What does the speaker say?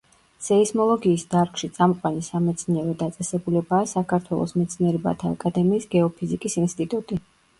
სეისმოლოგიის დარგში წამყვანი სამეცნიერო დაწესებულებაა საქართველოს მეცნიერებათა აკადემიის გეოფიზიკის ინსტიტუტი.